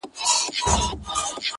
زه به له خپل دياره ولاړ سمه.